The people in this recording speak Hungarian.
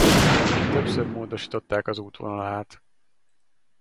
Többször módosították az útvonalát.